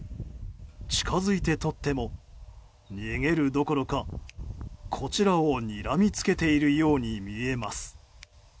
近づいて撮っても逃げるどころかこちらをにらみつけているように見えます。